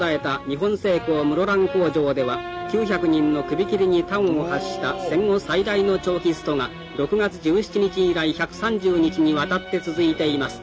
日本製鋼室蘭工場では９００人のクビキリに端を発した戦後最大の長期ストが６月１７日以来１３０日にわたって続いています。